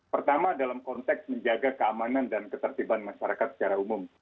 pertama dalam konteks menjaga keamanan dan ketertiban masyarakat secara umum